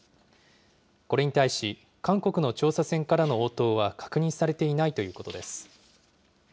これに対し、韓国の調査船からの応答は確認されていないということです。